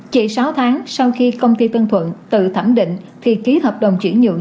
chỉ sáu tháng sau khi công ty tân thuận tự thẩm định thì ký hợp đồng chuyển nhượng